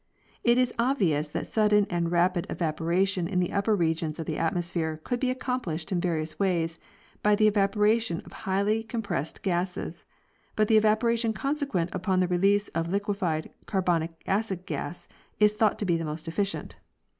It is obvious that sud den and rapid evaporation in the upper regions of the atmos phere could be accomplished in various ways by the evapora tion of various highly compressed gases; but the evaporation consequent upon the release of liquefied carbonic acid gas is thought to be the most efficient."